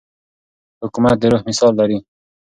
حکومت د روح مثال لري.